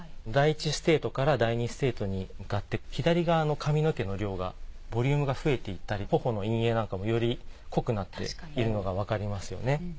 第１ステートから第２ステートに向かって左側の髪の毛の量がボリュームが増えていったり頬の陰影なんかもより濃くなっているのがわかりますよね。